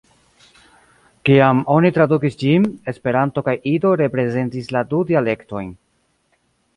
Kiam oni tradukis ĝin, Esperanto kaj Ido reprezentis la du dialektojn.